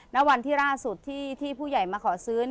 ณวันที่ล่าสุดที่ผู้ใหญ่มาขอซื้อ